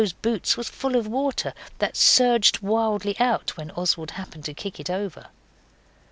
's boots was full of water, that surged wildly out when Oswald happened to kick it over.